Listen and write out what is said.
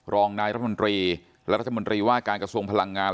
รองนายรัฐมนตรีและรัฐมนตรีว่าการกระทรวงพลังงาน